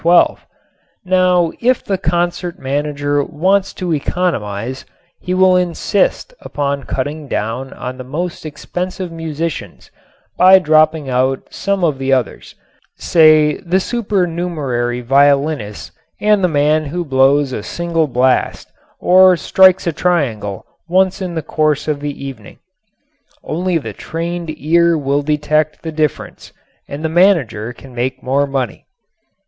Now if the concert manager wants to economize he will insist upon cutting down on the most expensive musicians and dropping out some of the others, say, the supernumerary violinists and the man who blows a single blast or tinkles a triangle once in the course of the evening. Only the trained ear will detect the difference and the manager can make more money.